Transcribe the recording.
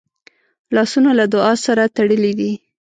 لاسونه له دعا سره تړلي دي